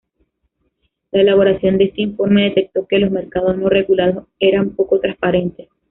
La elaboración de este informe detectó que los mercados no regulados eran poco transparentes.